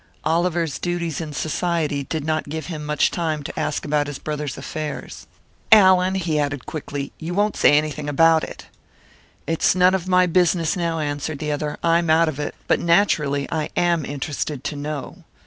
Oliver's duties in Society did not give him much time to ask about his brother's affairs. "Allan," he added quickly, "you won't say anything about it!" "It's none of my business now," answered the other. "I'm out of it. But naturally I am interested to know.